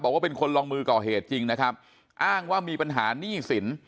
บอกว่าเป็นคนลงมือก่อเหตุจริงนะครับอ้างว่ามีปัญหาหนี้สิน